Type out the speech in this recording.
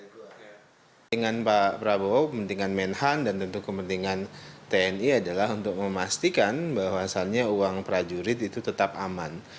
kementerian pertahanan berkepentingan menhan dan tentu kepentingan tni adalah untuk memastikan bahwa asalnya uang prajurit itu tetap aman